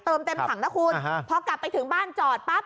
เติมเต็มถังนะคุณพอกลับไปถึงบ้านจอดปั๊บ